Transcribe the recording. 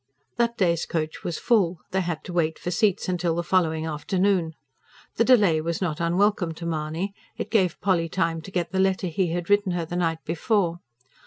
That day's coach was full; they had to wait for seats till the following afternoon. The delay was not unwelcome to Mahony; it gave Polly time to get the letter he had written her the night before.